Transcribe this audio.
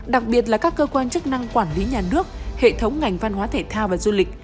đặc biệt là các cơ quan chức năng quản lý nhà nước hệ thống ngành văn hóa thể thao và du lịch